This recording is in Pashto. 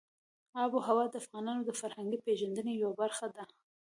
آب وهوا د افغانانو د فرهنګي پیژندنې یوه برخه ده.